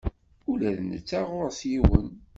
Ula d netta ɣur-s yiwen.